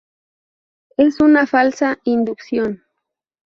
Es una falsa inducción.